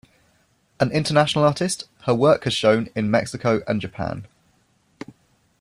An international artist, her work has shown in Mexico and Japan.